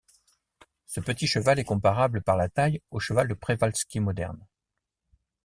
Ce petit cheval est comparable par la taille au cheval de Przewalski moderne.